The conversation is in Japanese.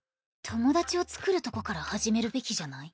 友達をつくるとこから始めるべきじゃない？